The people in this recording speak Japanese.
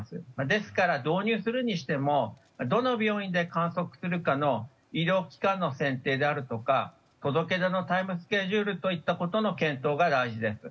ですから、導入するにしてもどの病院で観測するかの医療機関の選定であるとか届け出のタイムスケジュールといったことの検討が大事です。